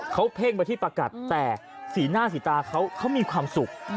เขาเพ่งไปที่ประกัดแต่สีหน้าสีตาเขามีความสุข